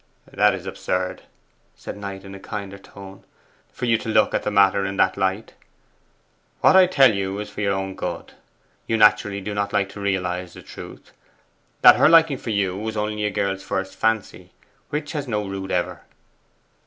'It is absurd,' said Knight in a kinder tone, 'for you to look at the matter in that light. What I tell you is for your good. You naturally do not like to realize the truth that her liking for you was only a girl's first fancy, which has no root ever.